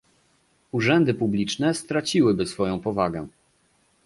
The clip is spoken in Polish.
Urzędy publiczne straciłyby swoją powagę